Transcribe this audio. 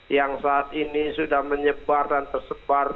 yang saat ini sudah menyebar dan tersebar